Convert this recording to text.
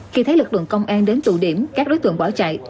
khi thấy lực lượng công an đến tụ điểm các đối tượng bỏ chạy